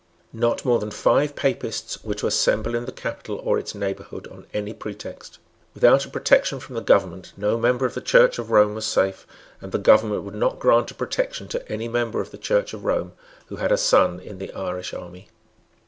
Not more than five Papists were to assemble in the capital or its neighbourhood on any pretext. Without a protection from the government no member of the Church of Rome was safe; and the government would not grant a protection to any member of the Church of Rome who had a son in the Irish army.